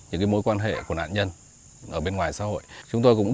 những mối quan hệ của nạn nhân ở bên ngoài xã hội